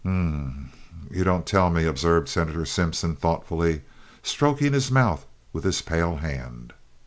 "Um m, you don't tell me," observed Senator Simpson, thoughtfully, stroking his mouth with his pale hand.